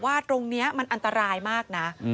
ว่าตรงนี้มันอันตรายมากนะ